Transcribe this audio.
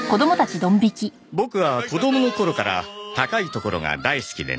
ボクは子供の頃から高い所が大好きでね。